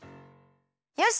よし！